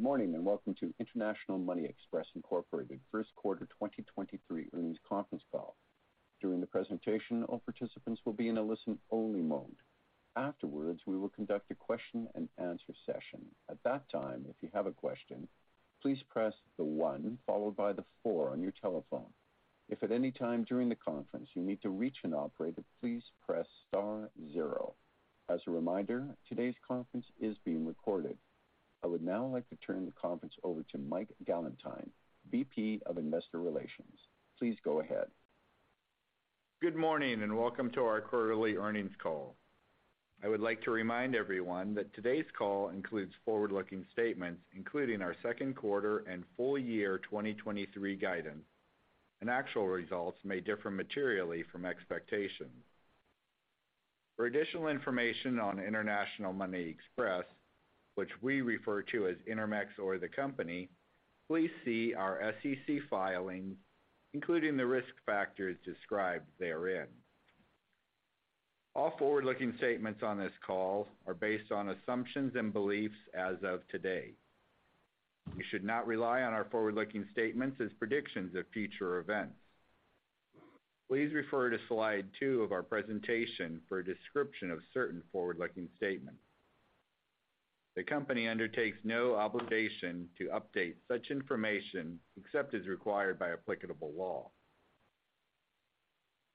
Good morning, and welcome to International Money Express, Inc. Q1 2023 Earnings Conference Call. During the presentation, all participants will be in a listen-only mode. Afterwards, we will conduct a question-and-answer session. At that time, if you have a question, please press the one followed by the four on your telephone. If at any time during the conference you need to reach an operator, please press star zero. As a reminder, today's conference is being recorded. I would now like to turn the conference over to Alex Sadowski, VP of Investor Relations. Please go ahead. Good morning. Welcome to our quarterly earnings call. I would like to remind everyone that today's call includes forward-looking statements, including our Q2 and full year 2023 guidance, and actual results may differ materially from expectations. For additional information on International Money Express, which we refer to as Intermex or the company, please see our SEC filings, including the risk factors described therein. All forward-looking statements on this call are based on assumptions and beliefs as of today. You should not rely on our forward-looking statements as predictions of future events. Please refer to slide two of our presentation for a description of certain forward-looking statements. The company undertakes no obligation to update such information except as required by applicable law.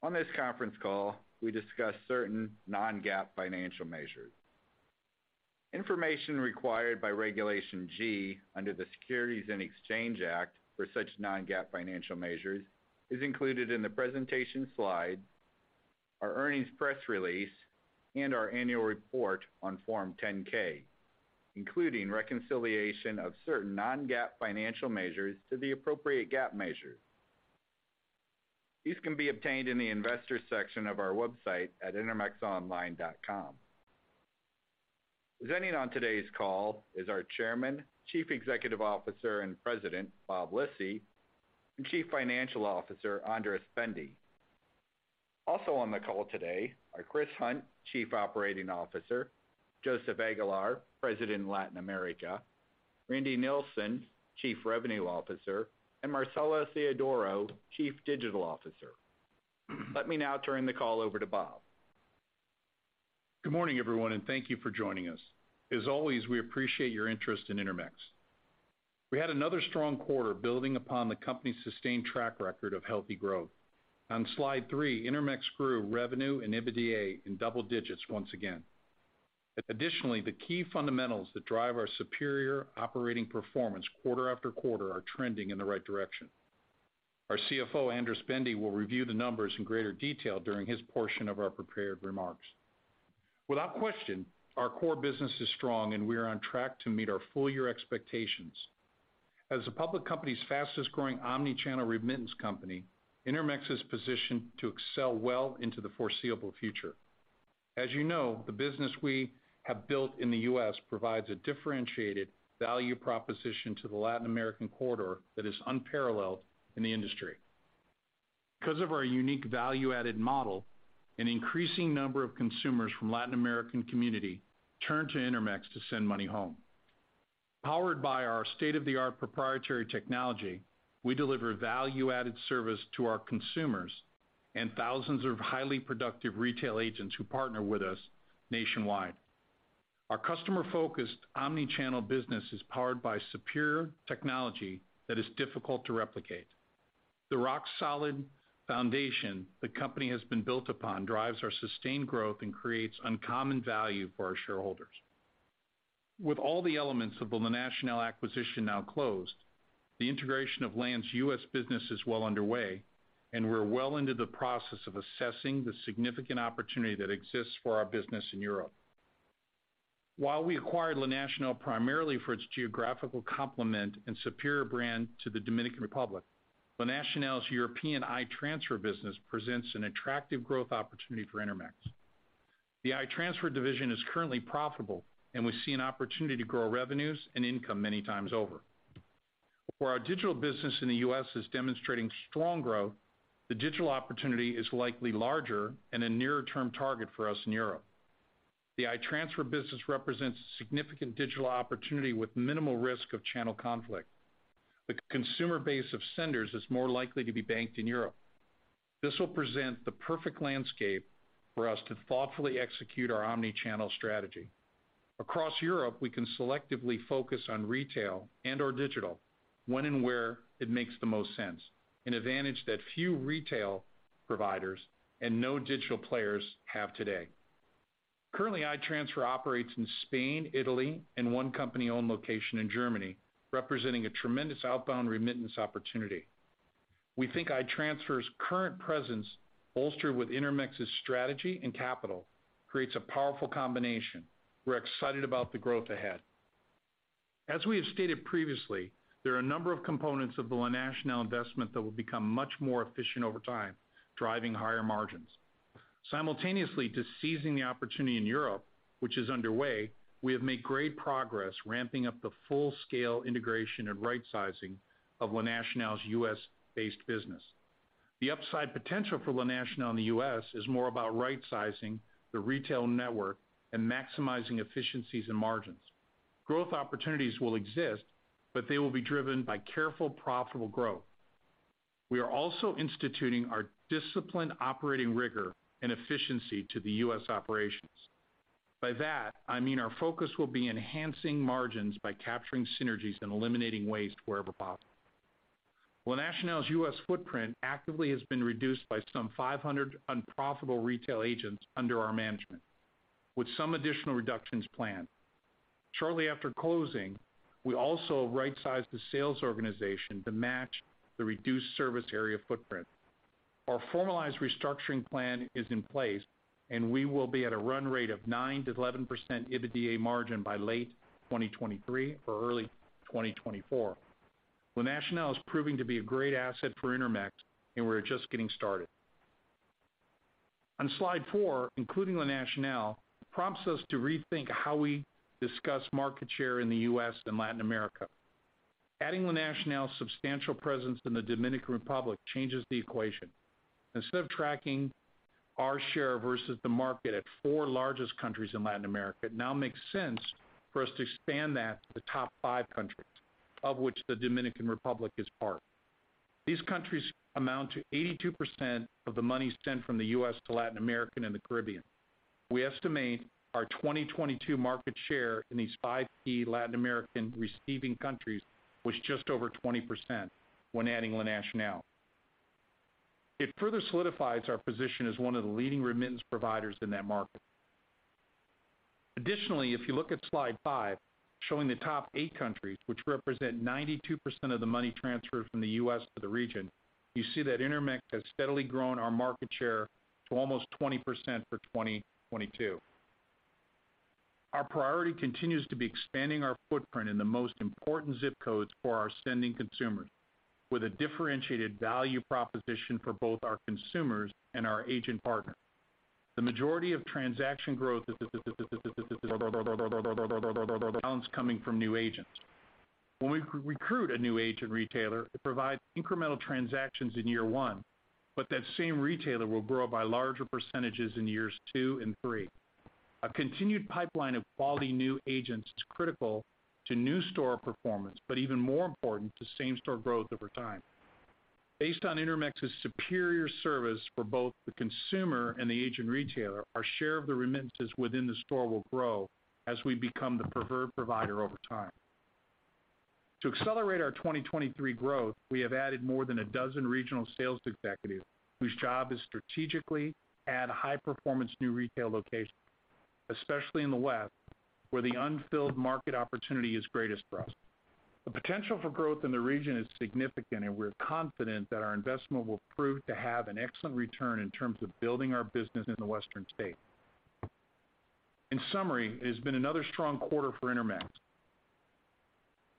On this conference call, we discuss certain non-GAAP financial measures. Information required by Regulation G under the Securities and Exchange Act for such non-GAAP financial measures is included in the presentation slide, our earnings press release, and our annual report on Form 10-K, including reconciliation of certain non-GAAP financial measures to the appropriate GAAP measure. These can be obtained in the Investors section of our website at intermexonline.com. Presenting on today's call is our Chairman, Chief Executive Officer, and President, Rob Lisy, and Chief Financial Officer, Andras Bende. Also on the call today are Chris Hunt, Chief Operating Officer, Joseph Aguilar, President, Latin America, Randall Nilsen, Chief Revenue Officer, and Marcelo Theodoro, Chief Digital Officer. Let me now turn the call over to Rob. Good morning, everyone, and thank you for joining us. As always, we appreciate your interest in Intermex. We had another strong quarter building upon the company's sustained track record of healthy growth. On slide three, Intermex grew revenue and EBITDA in double digits once again. The key fundamentals that drive our superior operating performance quarter after quarter are trending in the right direction. Our CFO, Andras Bende, will review the numbers in greater detail during his portion of our prepared remarks. Without question, our core business is strong, and we are on track to meet our full-year expectations. As the public company's fastest-growing omni-channel remittance company, Intermex is positioned to excel well into the foreseeable future. As you know, the business we have built in the U.S. provides a differentiated value proposition to the Latin American corridor that is unparalleled in the industry. Because of our unique value-added model, an increasing number of consumers from Latin American community turn to Intermex to send money home. Powered by our state-of-the-art proprietary technology, we deliver value-added service to our consumers and thousands of highly productive retail agents who partner with us nationwide. Our customer-focused omni-channel business is powered by superior technology that is difficult to replicate. The rock-solid foundation the company has been built upon drives our sustained growth and creates uncommon value for our shareholders. With all the elements of the La Nacional acquisition now closed, the integration of LAN's U.S. business is well underway, and we're well into the process of assessing the significant opportunity that exists for our business in Europe. While we acquired La Nacional primarily for its geographical complement and superior brand to the Dominican Republic, La Nacional's European i-transfer business presents an attractive growth opportunity for Intermex. The i-transfer division is currently profitable. We see an opportunity to grow revenues and income many times over. Where our digital business in the U.S. is demonstrating strong growth, the digital opportunity is likely larger and a nearer-term target for us in Europe. The i-transfer business represents a significant digital opportunity with minimal risk of channel conflict. The consumer base of senders is more likely to be banked in Europe. This will present the perfect landscape for us to thoughtfully execute our omni-channel strategy. Across Europe, we can selectively focus on retail and/or digital when and where it makes the most sense, an advantage that few retail providers and no digital players have today. Currently, i-transfer operates in Spain, Italy, and one company-owned location in Germany, representing a tremendous outbound remittance opportunity. We think i-transfer's current presence, bolstered with Intermex's strategy and capital, creates a powerful combination. We're excited about the growth ahead. As we have stated previously, there are a number of components of the La Nacional investment that will become much more efficient over time, driving higher margins. Simultaneously to seizing the opportunity in Europe, which is underway, we have made great progress ramping up the full-scale integration and rightsizing of La Nacional's U.S.-based business. The upside potential for La Nacional in the U.S. is more about rightsizing the retail network and maximizing efficiencies and margins. Growth opportunities will exist, but they will be driven by careful profitable growth. We are also instituting our disciplined operating rigor and efficiency to the U.S. operations. By that, I mean our focus will be enhancing margins by capturing synergies and eliminating waste wherever possible. La Nacional's U.S. footprint actively has been reduced by some 500 unprofitable retail agents under our management, with some additional reductions planned. Shortly after closing, we also rightsized the sales organization to match the reduced service area footprint. Our formalized restructuring plan is in place, and we will be at a run rate of 9%-11% EBITDA margin by late 2023 or early 2024. La Nacional is proving to be a great asset for Intermex, and we're just getting started. On slide four, including La Nacional, prompts us to rethink how we discuss market share in the U.S. and Latin America. Adding La Nacional's substantial presence in the Dominican Republic changes the equation. Instead of tracking our share versus the market at four largest countries in Latin America, it now makes sense for us to expand that to the top five countries of which the Dominican Republic is part. These countries amount to 82% of the money sent from the U.S. to Latin America and the Caribbean. We estimate our 2022 market share in these five key Latin American receiving countries was just over 20% when adding La Nacional. It further solidifies our position as one of the leading remittance providers in that market. If you look at slide five showing the top eight countries which represent 92% of the money transferred from the U.S. to the region, you see that Intermex has steadily grown our market share to almost 20% for 2022. Our priority continues to be expanding our footprint in the most important zip codes for our sending consumers with a differentiated value proposition for both our consumers and our agent partners. The majority of transaction growth is coming from new agents. When we recruit a new agent retailer, it provides incremental transactions in year one, but that same retailer will grow by larger percentages in years two and three. A continued pipeline of quality new agents is critical to new store performance but even more important to same-store growth over time. Based on Intermex's superior service for both the consumer and the agent retailer, our share of the remittances within the store will grow as we become the preferred provider over time. To accelerate our 2023 growth, we have added more than 12 regional sales executives whose job is strategically add high-performance new retail locations, especially in the West, where the unfilled market opportunity is greatest for us. The potential for growth in the region is significant, and we're confident that our investment will prove to have an excellent return in terms of building our business in the Western states. In summary, it has been another strong quarter for Intermex.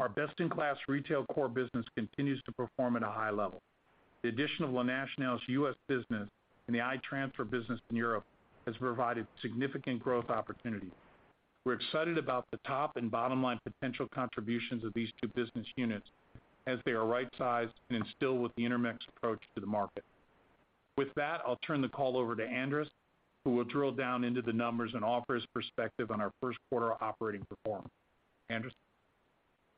Our best-in-class retail core business continues to perform at a high level. The addition of La Nacional's U.S. business and the i-transfer business in Europe has provided significant growth opportunities. We're excited about the top and bottom-line potential contributions of these two business units as they are rightsized and instilled with the Intermex approach to the market. With that, I'll turn the call over to Andras, who will drill down into the numbers and offer his perspective on our Q1 operating performance. Andras?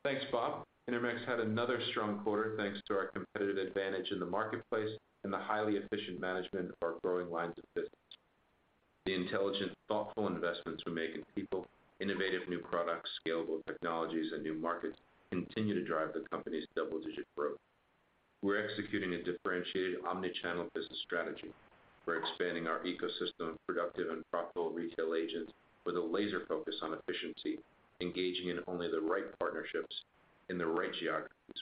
Thanks, Rob. Intermex had another strong quarter thanks to our competitive advantage in the marketplace and the highly efficient management of our growing lines of business. The intelligent, thoughtful investments we make in people, innovative new products, scalable technologies and new markets continue to drive the company's double-digit growth. We're executing a differentiated omni-channel business strategy. We're expanding our ecosystem of productive and profitable retail agents with a laser focus on efficiency, engaging in only the right partnerships in the right geographies.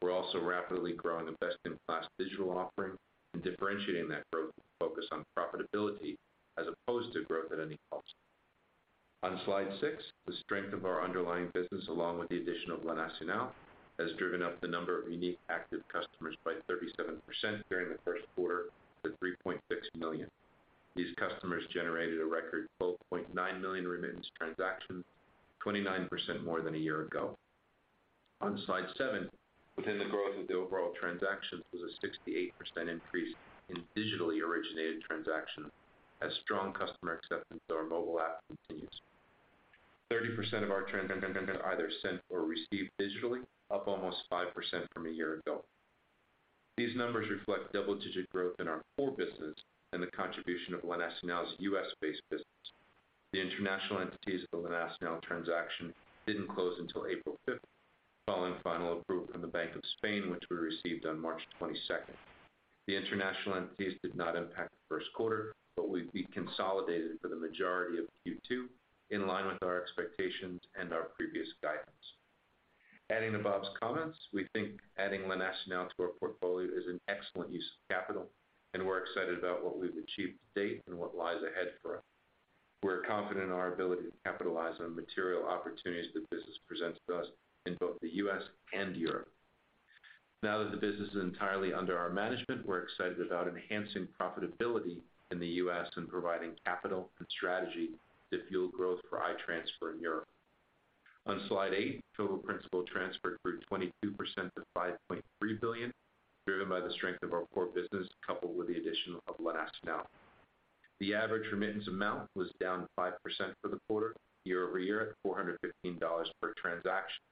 We're also rapidly growing a best-in-class digital offering and differentiating that growth with a focus on profitability as opposed to growth at any cost. On slide six, the strength of our underlying business along with the addition of La Nacional has driven up the number of unique active customers by 37% during the Q1 to 3.6 million. These customers generated a record $12.9 million remittance transactions, 29% more than a year ago. On slide seven, within the growth of the overall transactions was a 68% increase in digitally originated transactions as strong customer acceptance of our mobile app continues. 30% of our transactions are either sent or received digitally, up almost 5% from a year ago. These numbers reflect double-digit growth in our core business and the contribution of La Nacional's U.S. based business. The international entities of the La Nacional transaction didn't close until April fifth, following final approval from the Bank of Spain, which we received on March twenty-second. The international entities did not impact the Q1, but will be consolidated for the majority of Q2 in line with our expectations and our previous guidance. Adding to Rob's comments, we think adding La Nacional to our portfolio is an excellent use of capital, and we're excited about what we've achieved to date and what lies ahead for us. We're confident in our ability to capitalize on material opportunities the business presents to us in both the U.S. and Europe. That the business is entirely under our management, we're excited about enhancing profitability in the U.S. and providing capital and strategy to fuel growth for i-transfer in Europe. On Slide eight, total principal transferred grew 22% to $5.3 billion, driven by the strength of our core business, coupled with the addition of La Nacional. The average remittance amount was down 5% for the quarter year-over-year at $415 per transaction.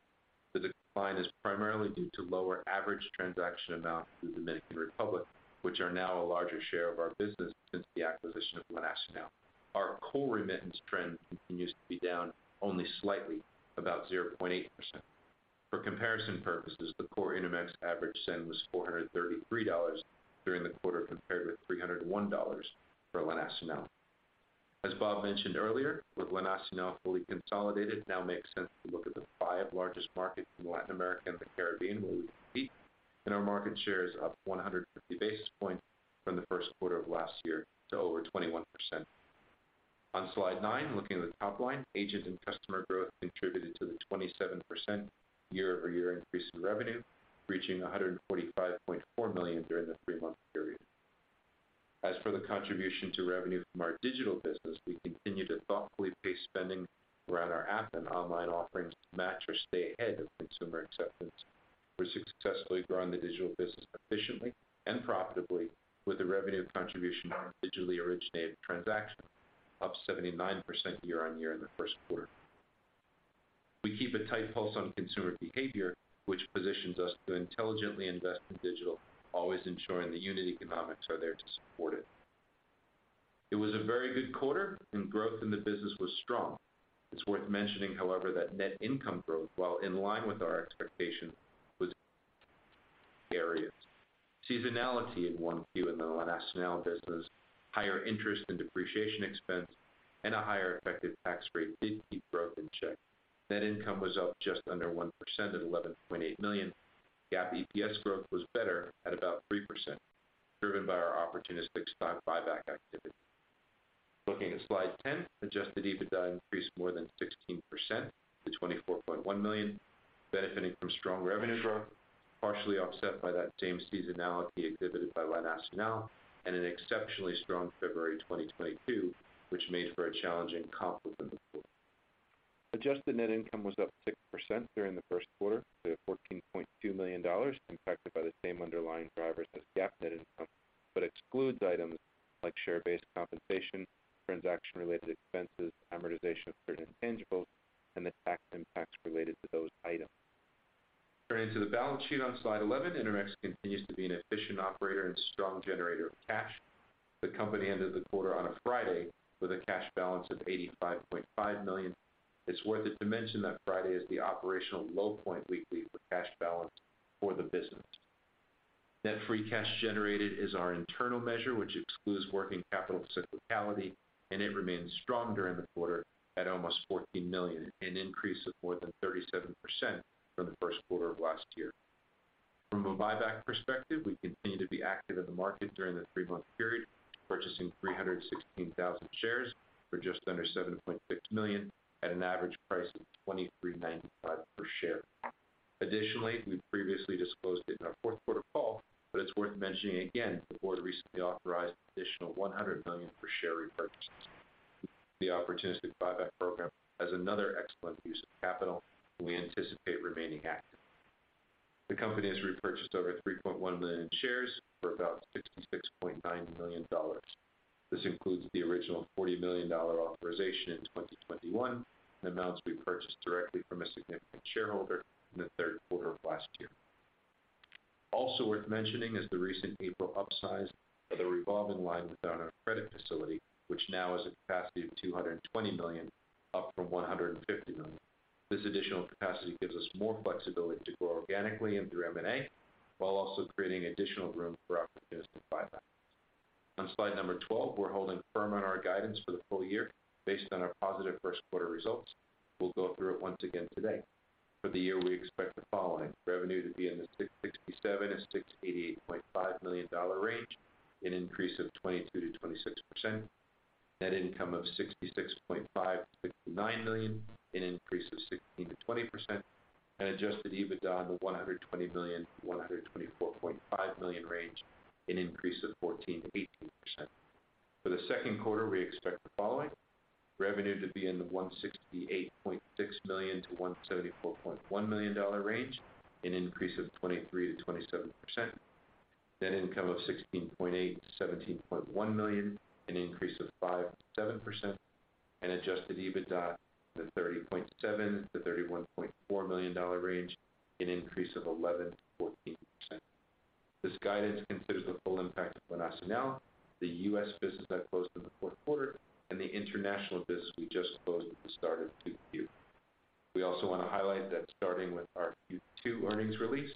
The decline is primarily due to lower average transaction amounts to the Dominican Republic, which are now a larger share of our business since the acquisition of La Nacional. Our core remittance trend continues to be down only slightly, about 0.8%. For comparison purposes, the core Intermex average send was $433 during the quarter, compared with $301 for La Nacional. As Rob mentioned earlier, with La Nacional fully consolidated, it now makes sense to look at the five largest markets in Latin America and the Caribbean where we compete. Our market share is up 150 basis points from the Q1 of last year to over 21%. On Slide nine, looking at the top line, agent and customer growth contributed to the 27% year-over-year increase in revenue, reaching $145.4 million during the three-month period. As for the contribution to revenue from our digital business, we continue to thoughtfully pace spending around our app and online offerings to match or stay ahead of consumer acceptance. We're successfully growing the digital business efficiently and profitably with the revenue contribution of digitally originated transactions up 79% year-on-year in the Q1. We keep a tight pulse on consumer behavior, which positions us to intelligently invest in digital, always ensuring the unit economics are there to support it. It was a very good quarter and growth in the business was strong. It's worth mentioning, however, that net income growth, while in line with our expectations, was areas. Seasonality in Q1 in the La Nacional business, higher interest and depreciation expense, and a higher effective tax rate did keep growth in check. Net income was up just under 1% at $11.8 million. GAAP EPS growth was better at about 3%, driven by our opportunistic stock buyback activity. Looking at Slide 10, Adjusted EBITDA increased more than 16% to $24.1 million, benefiting from strong revenue growth, partially offset by that same seasonality exhibited by La Nacional and an exceptionally strong February 2022, which made for a challenging comp within the quarter. Adjusted net income was up 6% during the 1st quarter to $14.2 million, impacted by the same underlying drivers as GAAP net income. Excludes items like share-based compensation, transaction-related expenses, amortization of certain intangibles, and the tax impacts related to those items. Turning to the balance sheet on Slide 11, Intermex continues to be an efficient operator and strong generator of cash. The company ended the quarter on a Friday with a cash balance of $85.5 million. It's worth it to mention that Friday is the operational low point weekly for cash balance for the business. Net Free Cash Generated is our internal measure, which excludes working capital cyclicality, and it remained strong during the quarter at almost $14 million, an increase of more than 37% from the Q1 of last year. From a buyback perspective, we continue to be active in the market during the three-month period, purchasing 316,000 shares for just under $7.6 million at an average price of $23.95 per share. Additionally, we previously disclosed it in our Q4 call, but it's worth mentioning again, the board recently authorized an additional $100 million for share repurchases. The opportunistic buyback program is another excellent use of capital, and we anticipate remaining active. The company has repurchased over 3.1 million shares for about $66.9 million. This includes the original $40 million authorization in 2021 and amounts repurchased directly from a significant shareholder in the Q3 of last year. Also worth mentioning is the recent April upsize of the revolving line without our credit facility, which now has a capacity of $220 million, up from $150 million. This additional capacity gives us more flexibility to grow organically and through M&A while also creating additional room for opportunistic buybacks. On slide number 12, we're holding firm on our guidance for the full year based on our positive Q1 results. We'll go through it once again today. For the year, we expect the following: revenue to be in the $667 million-$688.5 million range, an increase of 22%-26%. Net income of $66.5 million-$69 million, an increase of 16%-20%. Adjusted EBITDA in the $120 million-$124.5 million range, an increase of 14%-18%. For the Q2, we expect the following: revenue to be in the $168.6 million-$174.1 million range, an increase of 23%-27%. Net income of $16.8 million-$17.1 million, an increase of 5%-7%. Adjusted EBITDA in the $30.7 million-$31.4 million range, an increase of 11%-14%. This guidance considers the full impact of La Nacional, the U.S. business that closed in the Q4, and the international business we just closed at the start of Q2. We also want to highlight that starting with our Q2 earnings release,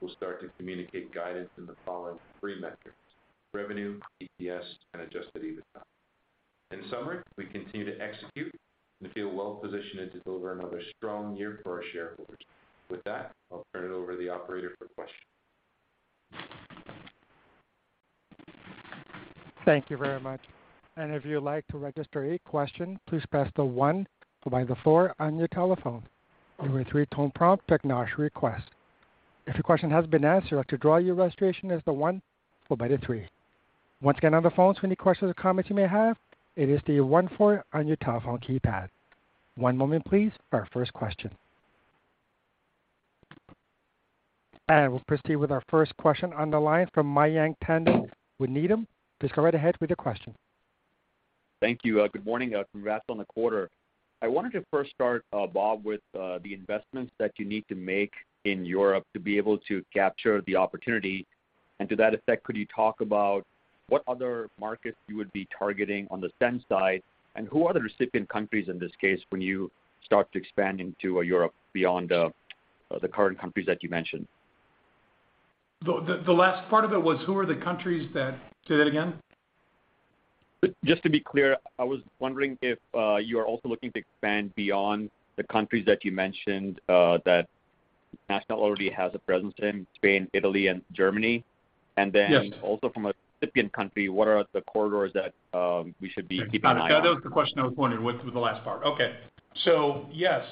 we'll start to communicate guidance in the following three metrics: revenue, EPS, and Adjusted EBITDA. In summary, we continue to execute and feel well-positioned to deliver another strong year for our shareholders. With that, I'll turn it over to the operator for questions. Thank you very much. If you'd like to register a question, please press the one followed by the four on your telephone. You will hear a three-tone prompt to acknowledge your request. If your question has been answered, to draw your registration as the one or by the three. Once again, on the phone, any questions or comments you may have, it is the one four on your telephone keypad. One moment please for our first question. We'll proceed with our first question on the line from Mayank Tandon with Needham. Please go right ahead with your question. Thank you. Good morning. Congrats on the quarter. I wanted to first start, Rob, with the investments that you need to make in Europe to be able to capture the opportunity. To that effect, could you talk about what other markets you would be targeting on the send side, and who are the recipient countries in this case when you start to expand into Europe beyond the current countries that you mentioned? The last part of it was who are the countries that... Say that again. Just to be clear, I was wondering if you are also looking to expand beyond the countries that you mentioned, that La Nacional already has a presence in Spain, Italy, and Germany? Yes. Also from a recipient country, what are the corridors that, we should be keeping an eye on? Got it. That was the question I was wondering with the last part. Okay. Yes.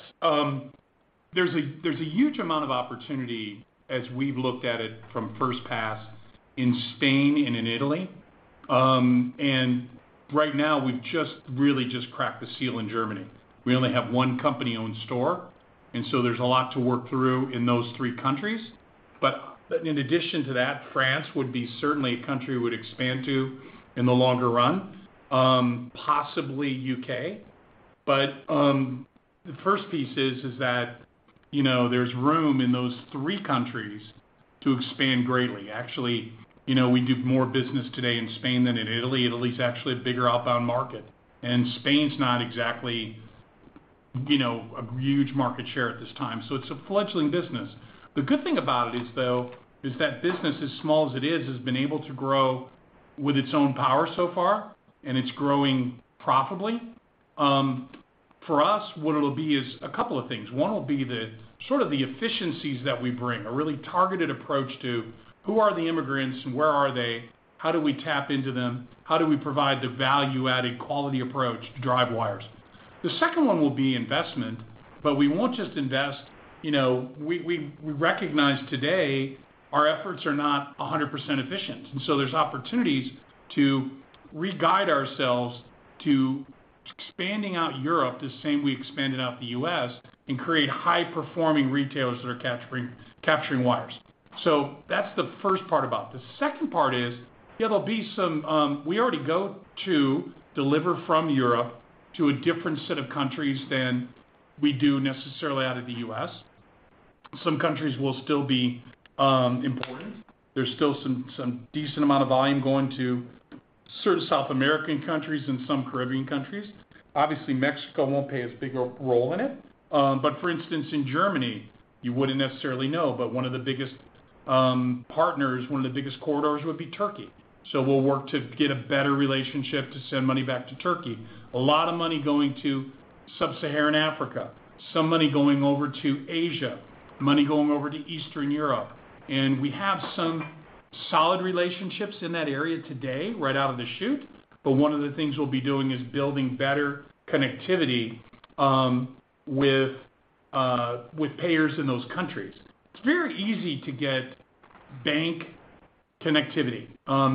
There's a huge amount of opportunity as we've looked at it from first pass in Spain and in Italy. Right now we've just really just cracked the seal in Germany. We only have one company-owned store, and so there's a lot to work through in those three countries. But in addition to that, France would be certainly a country we would expand to in the longer run, possibly U.K. The first piece is, you know, there's room in those three countries to expand greatly. Actually, you know, we do more business today in Spain than in Italy. Italy is actually a bigger outbound market, and Spain's not exactly, you know, a huge market share at this time. It's a fledgling business. The good thing about it is, though, is that business, as small as it is, has been able to grow with its own power so far, and it's growing profitably. For us, what it'll be is a couple of things. One will be the sort of the efficiencies that we bring, a really targeted approach to who are the immigrants, where are they, how do we tap into them, how do we provide the value-added quality approach to drive wires. The second one will be investment, but we won't just invest. You know, we recognize today our efforts are not 100% efficient. There's opportunities to re-guide ourselves to expanding out Europe the same we expanded out the U.S. and create high-performing retailers that are capturing wires. That's the first part about it. The second part is, yeah, there'll be some. We already go to deliver from Europe to a different set of countries than we do necessarily out of the U.S. Some countries will still be important. There's still some decent amount of volume going to certain South American countries and some Caribbean countries. Obviously, Mexico won't play as big a role in it. For instance, in Germany, you wouldn't necessarily know, but one of the biggest partners, one of the biggest corridors would be Turkey. We'll work to get a better relationship to send money back to Turkey. A lot of money going to Sub-Saharan Africa, some money going over to Asia, money going over to Eastern Europe. We have some solid relationships in that area today right out of the chute, but one of the things we'll be doing is building better connectivity with payers in those countries. It's very easy to get bank connectivity.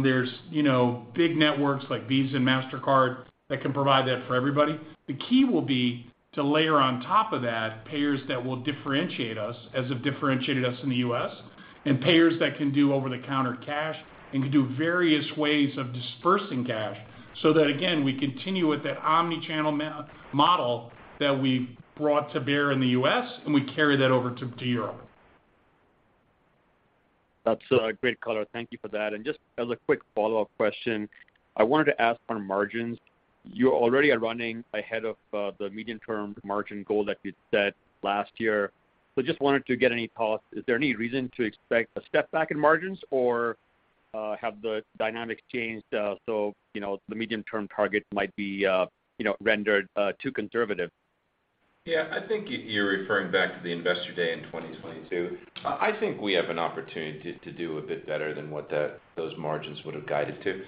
There's, you know, big networks like Visa and Mastercard that can provide that for everybody. The key will be to layer on top of that payers that will differentiate us as have differentiated us in the U.S., and payers that can do over-the-counter cash and can do various ways of dispersing cash, so that again, we continue with that omni-channel model that we've brought to bear in the U.S., and we carry that over to Europe. That's a great color. Thank you for that. Just as a quick follow-up question, I wanted to ask on margins. You already are running ahead of the medium-term margin goal that you set last year. Just wanted to get any thoughts. Is there any reason to expect a step back in margins or have the dynamics changed, so you know, the medium-term target might be, you know, rendered too conservative? Yeah. I think you're referring back to the Investor Day in 2022. I think we have an opportunity to do a bit better than those margins would have guided to.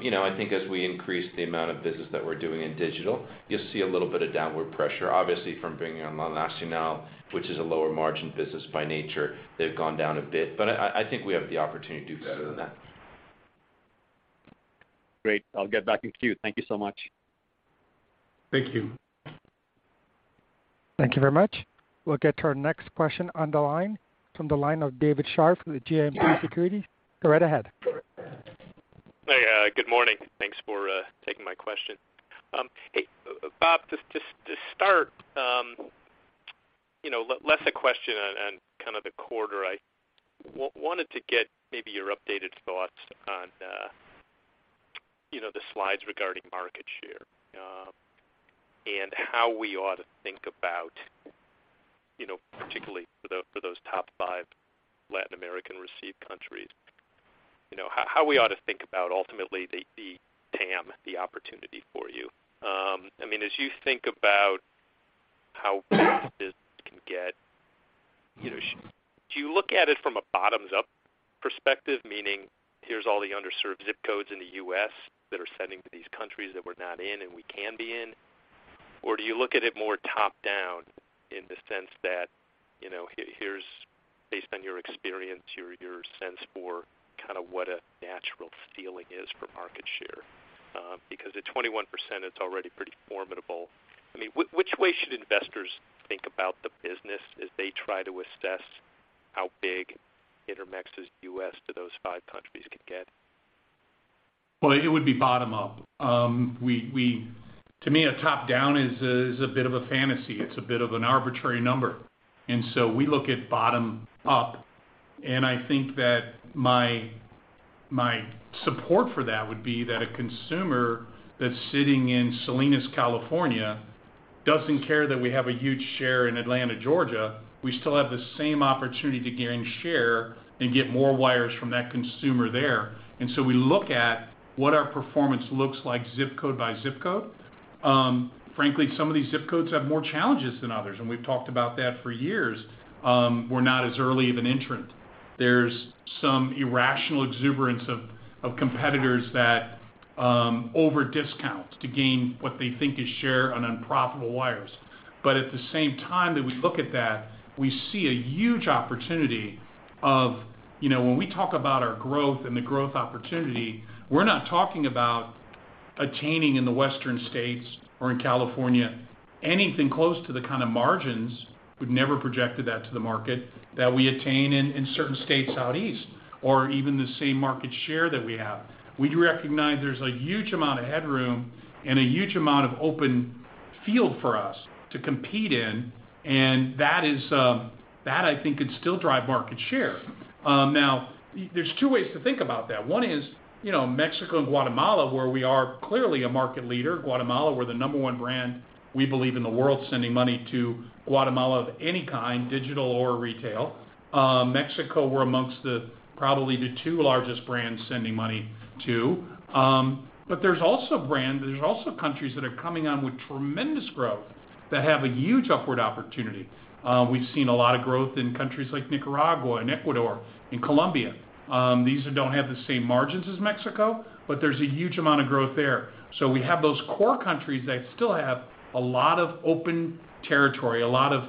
You know, I think as we increase the amount of business that we're doing in digital, you'll see a little bit of downward pressure. Obviously, from bringing on La Nacional, which is a lower margin business by nature, they've gone down a bit. I think we have the opportunity to do better than that. Great. I'll get back in queue. Thank you so much. Thank you. Thank you very much. We'll get to our next question on the line from the line of David Scharf with JMP Securities. Go right ahead. Hey. Good morning. Thanks for taking my question. Hey, Rob, just to start, you know, less a question on kind of the quarter. I wanted to get maybe your updated thoughts on, you know, the slides regarding market share, and how we ought to think about, you know, particularly for the, for those top five Latin American receive countries. You know, how we ought to think about ultimately the TAM, the opportunity for you. I mean, as you think about how big this can get, you know, do you look at it from a bottoms-up perspective? Meaning, here's all the underserved zip codes in the U.S. that are sending to these countries that we're not in and we can be in. Do you look at it more top-down in the sense that, you know, here's based on your experience, your sense for kinda what a natural ceiling is for market share? Because at 21% it's already pretty formidable. I mean, which way should investors think about the business as they try to assess how big Intermex's U.S. to those five countries can get? It would be bottom up. To me, a top-down is a bit of a fantasy. It's a bit of an arbitrary number. We look at bottom up, and I think that my support for that would be that a consumer that's sitting in Salinas, California, doesn't care that we have a huge share in Atlanta, Georgia. We still have the same opportunity to gain share and get more wires from that consumer there. We look at what our performance looks like zip code by zip code. Frankly, some of these zip codes have more challenges than others, and we've talked about that for years. We're not as early of an entrant. There's some irrational exuberance of competitors that over-discount to gain what they think is share on unprofitable wires. At the same time that we look at that, we see a huge opportunity of, you know, when we talk about our growth and the growth opportunity, we're not talking about attaining in the western states or in California anything close to the kind of margins, we've never projected that to the market, that we attain in certain states southeast or even the same market share that we have. We do recognize there's a huge amount of headroom and a huge amount of open field for us to compete in, and that is, that I think could still drive market share. Now there's two ways to think about that. One is, you know, Mexico and Guatemala, where we are clearly a market leader. Guatemala, we're the number one brand, we believe, in the world sending money to Guatemala of any kind, digital or retail. Mexico, we're amongst the probably the two largest brands sending money to. There's also countries that are coming on with tremendous growth that have a huge upward opportunity. We've seen a lot of growth in countries like Nicaragua and Ecuador and Colombia. These don't have the same margins as Mexico, but there's a huge amount of growth there. We have those core countries that still have a lot of open territory, a lot of,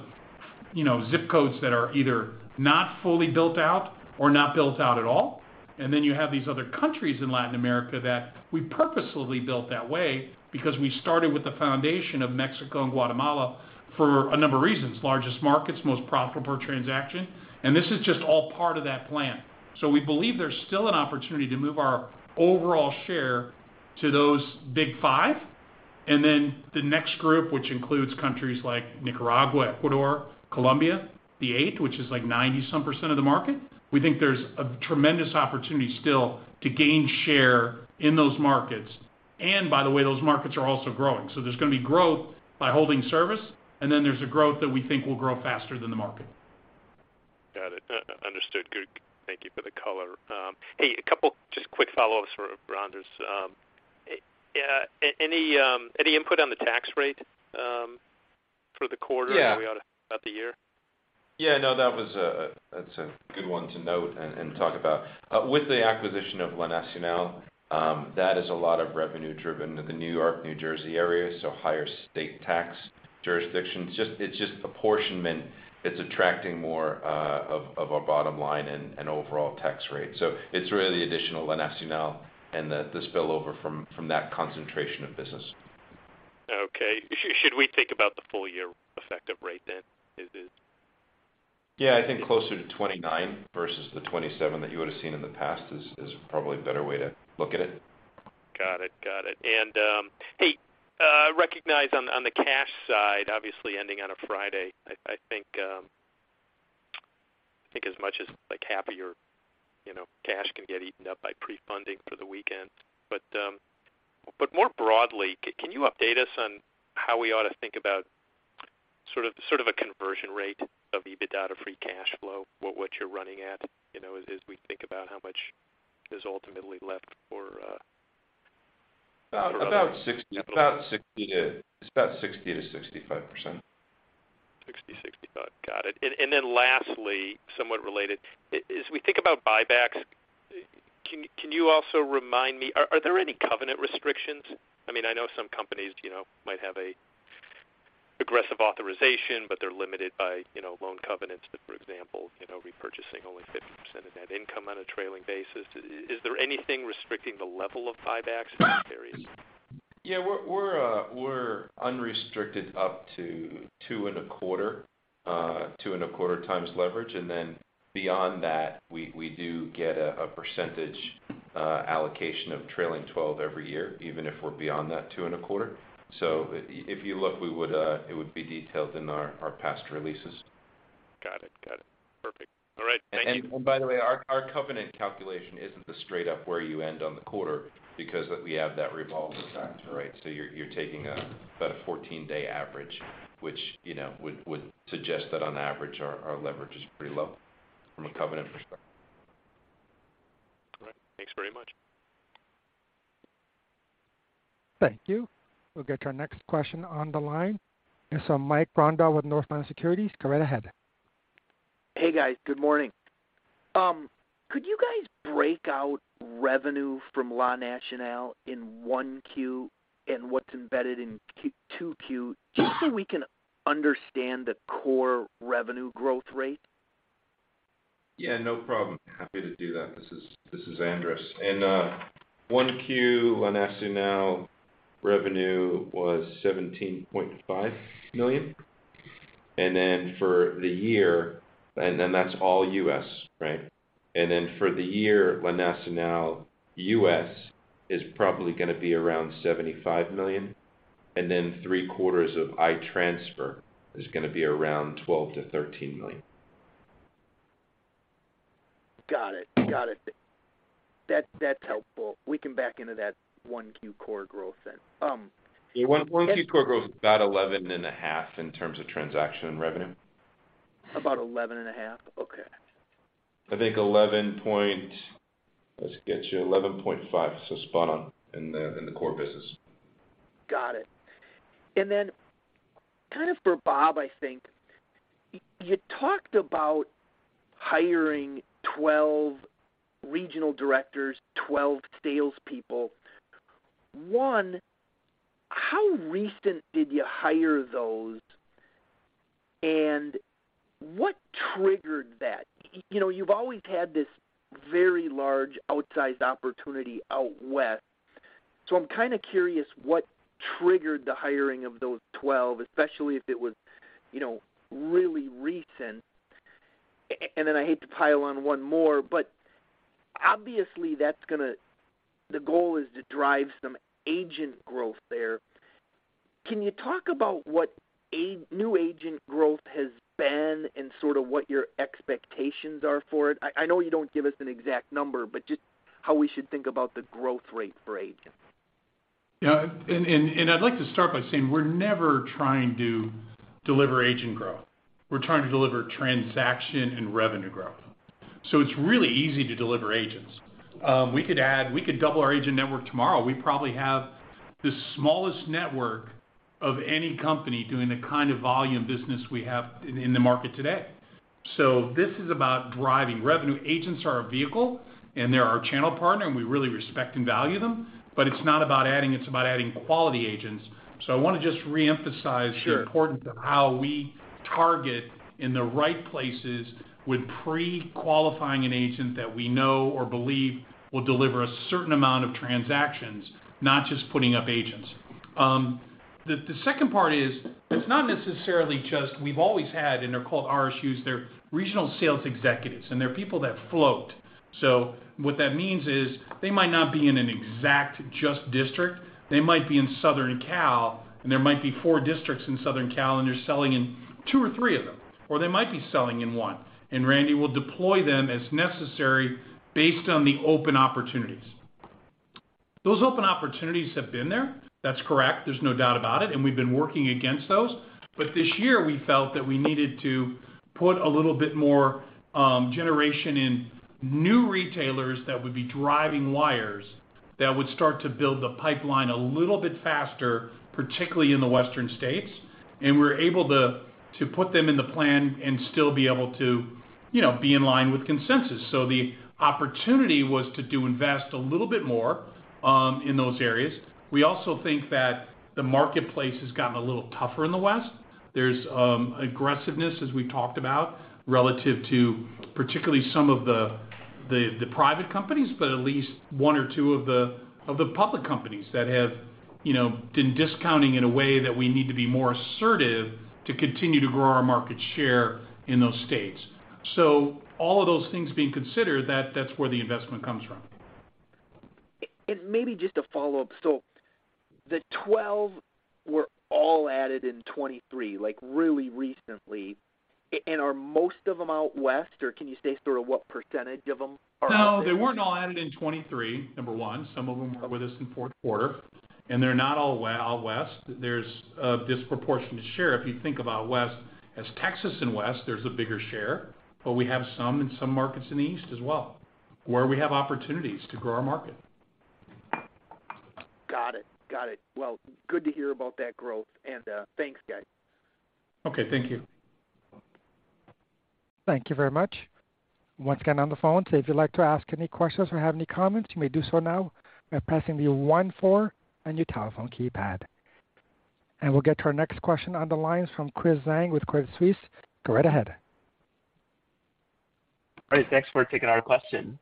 you know, zip codes that are either not fully built out or not built out at all. You have these other countries in Latin America that we purposefully built that way because we started with the foundation of Mexico and Guatemala for a number of reasons, largest markets, most profitable per transaction, and this is just all part of that plan. We believe there's still an opportunity to move our overall share to those big five. Then the next group, which includes countries like Nicaragua, Ecuador, Colombia, the eighth, which is like 90% of the market. We think there's a tremendous opportunity still to gain share in those markets. By the way, those markets are also growing. There's gonna be growth by holding service, and then there's a growth that we think will grow faster than the market. Got it. Understood. Good. Thank you for the color. Hey, a couple just quick follow-ups for Andras. Any input on the tax rate for the quarter? Yeah. We ought to about the year? Yeah, no, that was a good one to note and talk about. With the acquisition of La Nacional, that is a lot of revenue driven to the New York-New Jersey area, so higher state tax jurisdictions. It's just apportionment. It's attracting more of our bottom line and overall tax rate. It's really additional La Nacional and the spillover from that concentration of business. Okay. Should we think about the full year effective rate then? Is it... Yeah, I think closer to 29 versus the 27 that you would have seen in the past is probably a better way to look at it. Got it. Got it. Hey, recognize on the cash side, obviously ending on a Friday, I think as much as, like, half of your, you know, cash can get eaten up by pre-funding for the weekend. More broadly, can you update us on how we ought to think about sort of a conversion rate of EBITDA to free cash flow, what you're running at, you know, as we think about how much is ultimately left for. About 60. It's about 60%-65%. 60-65. Got it. Then lastly, somewhat related, as we think about buybacks, can you also remind me, are there any covenant restrictions? I mean, I know some companies, you know, might have an aggressive authorization, they're limited by, you know, loan covenants. For example, you know, repurchasing only 50% of net income on a trailing basis. Is there anything restricting the level of buybacks in that area? Yeah. We're unrestricted up to two and a quarter, two and a quarter times leverage. Then beyond that, we do get a percentage allocation of trailing twelve every year, even if we're beyond that two and a quarter. If you look, we would, it would be detailed in our past releases. Got it. Got it. Perfect. All right. Thank you. By the way, our covenant calculation isn't the straight up where you end on the quarter because we have that revolving factor, right? You're taking about a 14-day average, which, you know, would suggest that on average, our leverage is pretty low from a covenant perspective. All right. Thanks very much. Thank you. We'll get to our next question on the line. Mike Grondahl with Northland Securities, go right ahead. Hey guys, good morning. Could you guys break out revenue from La Nacional in 1Q and what's embedded in Q2, just so we can understand the core revenue growth rate? Yeah, no problem. Happy to do that. This is Andras. Q1 La Nacional revenue was $17.5 million. Then for the year, and that's all U.S., right? Then for the year, La Nacional U.S. is probably gonna be around $75 million, and then three quarters of i-transfer is gonna be around $12 million-$13 million. Got it. Got it. That, that's helpful. We can back into that 1 Q core growth then. 1Q core growth is about 11.5% in terms of transaction revenue. About 11.5? Okay. I think, Let's get you, 11.5, spot on in the core business. Got it. Kind of for Rob, I think. You talked about hiring 12 regional directors, 12 salespeople. One, how recent did you hire those, and what triggered that? You know, you've always had this very large outsized opportunity out west. I'm kinda curious what triggered the hiring of those 12, especially if it was, you know, really recent. I hate to pile on one more, but obviously the goal is to drive some agent growth there. Can you talk about what new agent growth has been and sort of what your expectations are for it? I know you don't give us an exact number, but just how we should think about the growth rate for agents. Yeah. I'd like to start by saying we're never trying to deliver agent growth. We're trying to deliver transaction and revenue growth. It's really easy to deliver agents. We could double our agent network tomorrow. We probably have the smallest network of any company doing the kind of volume business we have in the market today. This is about driving revenue. Agents are our vehicle, and they're our channel partner, and we really respect and value them, but it's not about adding, it's about adding quality agents. I wanna just reemphasize. Sure. the importance of how we target in the right places with pre-qualifying an agent that we know or believe will deliver a certain amount of transactions, not just putting up agents. The second part is, it's not necessarily we've always had, and they're called RSUs, they're regional sales executives, and they're people that float. What that means is they might not be in an exact just district. They might be in Southern California, and there might be four districts in Southern California, and they're selling in two or three of them, or they might be selling in one. Randy will deploy them as necessary based on the open opportunities. Those open opportunities have been there, that's correct. There's no doubt about it. We've been working against those. This year, we felt that we needed to put a little bit more generation in new retailers that would be driving wires that would start to build the pipeline a little bit faster, particularly in the western states. We're able to put them in the plan and still be able to, you know, be in line with consensus. The opportunity was to do invest a little bit more in those areas. We also think that the marketplace has gotten a little tougher in the west. There's aggressiveness, as we talked about, relative to particularly some of the private companies, but at least one or two of the public companies that have, you know, been discounting in a way that we need to be more assertive to continue to grow our market share in those states. All of those things being considered, that's where the investment comes from. Maybe just a follow-up. The 12 were all added in 2023, like really recently. Are most of them out west, or can you say sort of what percentage of them are out west? No, they weren't all added in 2023, number 1. Some of them were with us in Q4. They're not all west. There's a disproportionate share. If you think about west as Texas and west, there's a bigger share, but we have some in some markets in the east as well, where we have opportunities to grow our market. Got it. Got it. Well, good to hear about that growth and, thanks, guys. Okay. Thank you. Thank you very much. Once again, on the phone, so if you'd like to ask any questions or have any comments, you may do so now by pressing the 14 on your telephone keypad. We'll get to our next question on the lines from Christopher Zhang with Credit Suisse. Go right ahead. All right. Thanks for taking our question.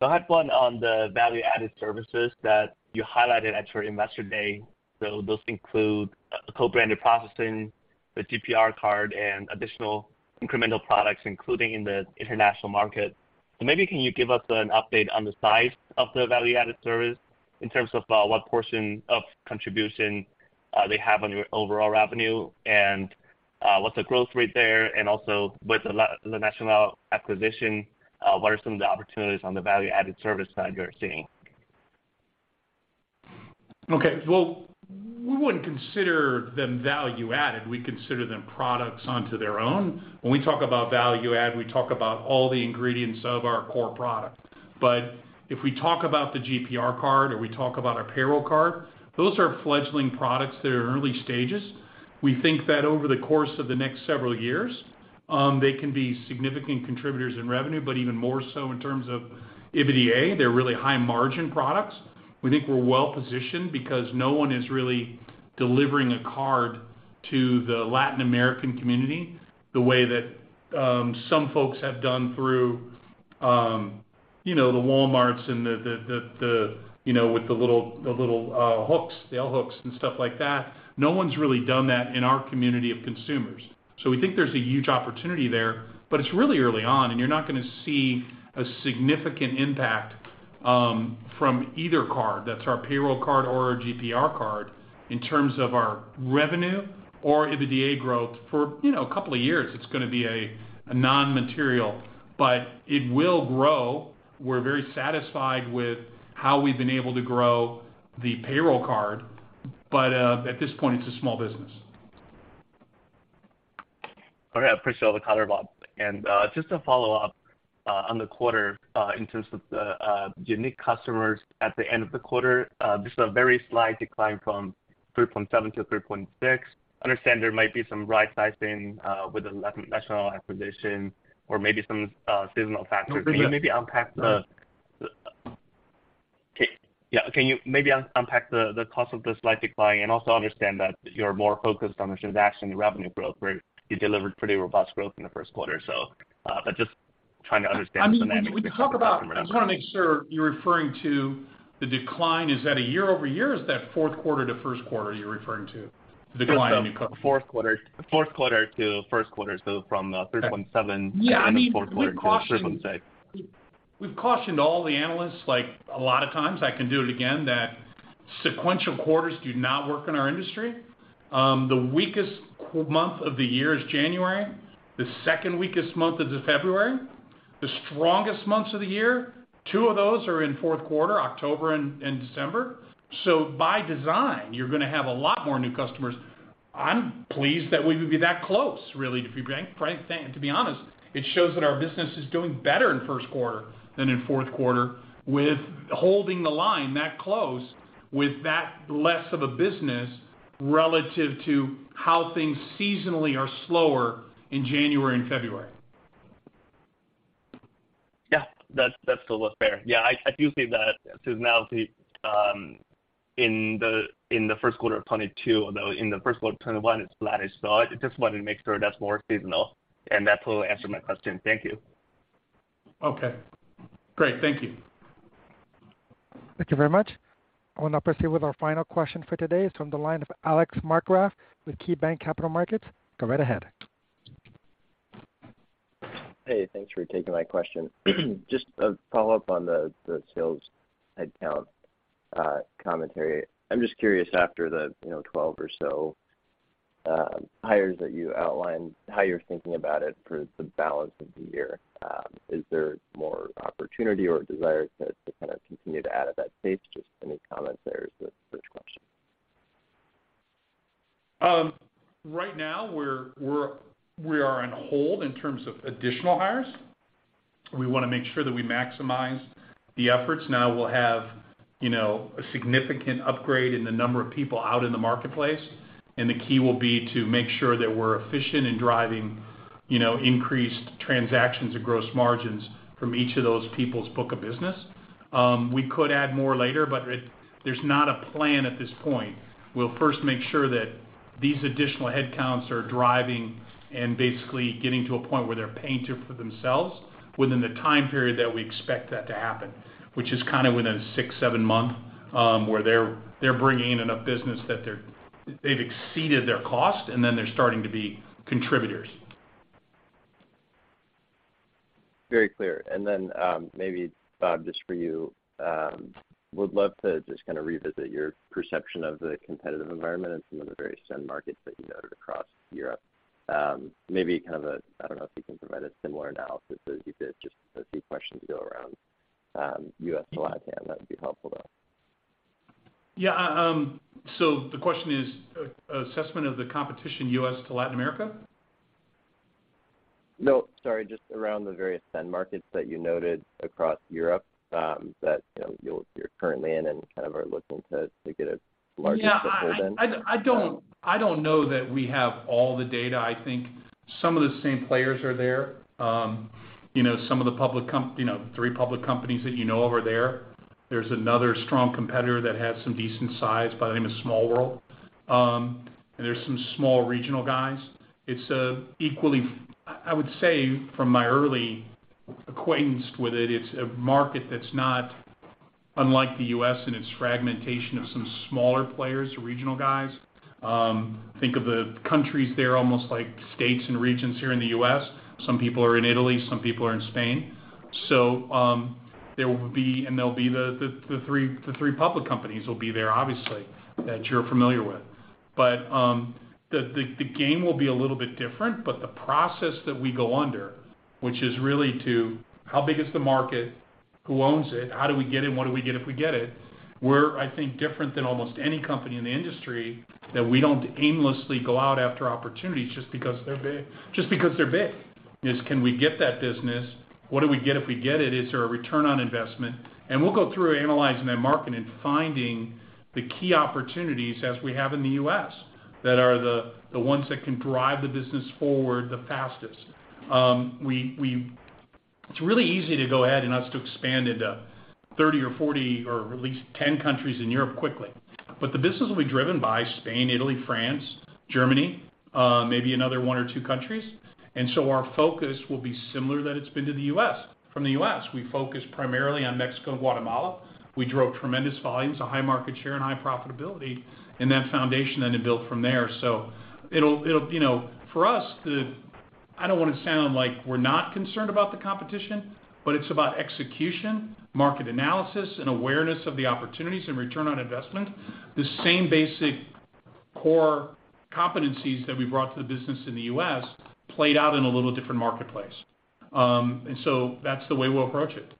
I had one on the value-added services that you highlighted at your investor day. Those include a co-branded processing, the GPR card and additional incremental products, including in the international market. Maybe can you give us an update on the size of the value-added service in terms of what portion of contribution they have on your overall revenue and what's the growth rate there and also with the La Nacional acquisition, what are some of the opportunities on the value-added service side you're seeing? Okay. Well, we wouldn't consider them value added. We consider them products onto their own. When we talk about value add, we talk about all the ingredients of our core product. If we talk about the GPR card or we talk about our payroll card, those are fledgling products that are in early stages. We think that over the course of the next several years, they can be significant contributors in revenue, but even more so in terms of EBITDA. They're really high margin products. We think we're well-positioned because no one is really delivering a card to the Latin American community the way that, some folks have done through, you know, the Walmart and the, you know, with the little, the little hooks, the L-hooks and stuff like that. No one's really done that in our community of consumers. We think there's a huge opportunity there, but it's really early on, and you're not gonna see a significant impact from either card, that's our payroll card or our GPR card, in terms of our revenue or EBITDA growth for, you know, a couple of years. It's gonna be a non-material, but it will grow. We're very satisfied with how we've been able to grow the payroll card, but at this point, it's a small business. All right. I appreciate all the color, Rob. Just to follow up on the quarter, in terms of the unique customers at the end of the quarter, just a very slight decline from 3.7 to 3.6. Understand there might be some right sizing with the La Nacional acquisition or maybe some seasonal factors. No. Can you maybe unpack the- Okay. Yeah, can you maybe un-unpack the cost of the slight decline and also understand that you're more focused on the transaction, the revenue growth, where you delivered pretty robust growth in the Q1. Just trying to understand the semantics. I mean, when we talk about... I wanna make sure you're referring to the decline. Is that a year-over-year, or is that Q4 to Q1 you're referring to, the decline? Q4. Q4 to Q1, so from the 3.7- Yeah, I mean, we've cautioned- At the end of Q4 to 3.6. We've cautioned all the analysts, like a lot of times, I can do it again, that sequential quarters do not work in our industry. The weakest month of the year is January, the second weakest month is February. The strongest months of the year, two of those are in Q4, October and December. By design, you're gonna have a lot more new customers. I'm pleased that we would be that close, really, to be honest. It shows that our business is doing better in Q1 than in Q4 with holding the line that close with that less of a business relative to how things seasonally are slower in January and February. Yeah. That's still fair. Yeah. I do see that seasonality in the Q1 of 22, although in the Q1 of 21, it's flattish. I just wanted to make sure that's more seasonal, and that totally answered my question. Thank you. Okay, great. Thank you. Thank you very much. I will now proceed with our final question for today. It's from the line of Alex Markgraff with KeyBanc Capital Markets. Go right ahead. Hey, thanks for taking my question. Just a follow-up on the sales headcount commentary. I'm just curious after the, you know, 12 or so hires that you outlined, how you're thinking about it for the balance of the year. Is there more opportunity or desire to kind of continue to add at that pace? Just any comments there is the first question. Right now, we are on hold in terms of additional hires. We wanna make sure that we maximize the efforts. We'll have, you know, a significant upgrade in the number of people out in the marketplace, and the key will be to make sure that we're efficient in driving, you know, increased transactions and gross margins from each of those people's book of business. We could add more later, but there's not a plan at this point. We'll first make sure that these additional headcounts are driving and basically getting to a point where they're paying for themselves within the time period that we expect that to happen, which is kind of within 6, 7 months, where they're bringing in enough business that they've exceeded their cost, and then they're starting to be contributors. Very clear. Maybe, Rob, just for you, would love to just kinda revisit your perception of the competitive environment and some of the various send markets that you noted across Europe. Maybe kind of a, I don't know if you can provide a similar analysis as you did, just a few questions to go around, U.S. to LatAm. That'd be helpful though. Yeah. The question is assessment of the competition U.S. to Latin America? No. Sorry, just around the various send markets that you noted across Europe, that, you know, you're currently in and kind of are looking to get a larger footprint within. Yeah. I don't know that we have all the data. I think some of the same players are there. you know, some of the public. You know, three public companies that you know over there. There's another strong competitor that has some decent size, by the way, in a small world. and there's some small regional guys. It's equally... I would say from my early acquaintance with it's a market that's not unlike the U.S. in its fragmentation of some smaller players or regional guys. Think of the countries there almost like states and regions here in the U.S. Some people are in Italy, some people are in Spain. there will be and there'll be the three public companies will be there, obviously, that you're familiar with. The game will be a little bit different, but the process that we go under, which is really to how big is the market? Who owns it? How do we get in? What do we get if we get it? We're, I think, different than almost any company in the industry that we don't aimlessly go out after opportunities just because they're big. Can we get that business? What do we get if we get it? Is there a return on investment? We'll go through analyzing that market and finding the key opportunities as we have in the U.S. that are the ones that can drive the business forward the fastest. It's really easy to go ahead and us to expand into 30 or 40 or at least 10 countries in Europe quickly. The business will be driven by Spain, Italy, France, Germany, maybe another one or two countries. Our focus will be similar that it's been to the U.S., from the U.S. We focus primarily on Mexico and Guatemala. We drove tremendous volumes, a high market share and high profitability in that foundation and then built from there. It'll... You know, for us, I don't wanna sound like we're not concerned about the competition, but it's about execution, market analysis and awareness of the opportunities and return on investment. The same basic core competencies that we brought to the business in the U.S. played out in a little different marketplace. That's the way we'll approach it.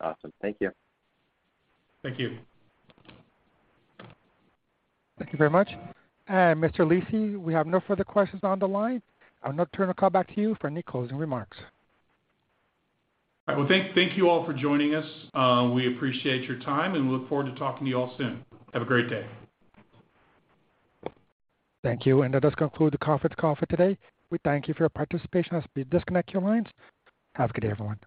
Awesome. Thank you. Thank you. Thank you very much. Mr. Lisy, we have no further questions on the line. I'll now turn the call back to you for any closing remarks. Well, thank you all for joining us. We appreciate your time, and we look forward to talking to you all soon. Have a great day. Thank you. That does conclude the conference call for today. We thank you for your participation as we disconnect your lines. Have a good day, everyone.